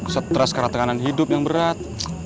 stres karena tekanan hidup yang berat